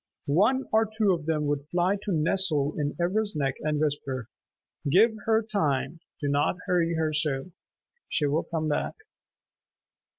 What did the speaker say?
One or two of them would fly to nestle in Ivra's neck and whisper, "Give her time. Do not hurry her so. She will come back."